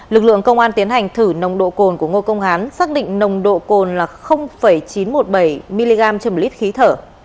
lực lượng công an tiến hành thử nồng độ cồn của ngô công hán xác định nồng độ cồn là chín trăm một mươi bảy mg trên một lít khí thở